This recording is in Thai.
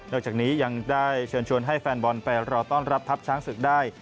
จากนี้ยังได้เชิญชวนให้แฟนบอลไปรอต้อนรับทัพช้างศึกได้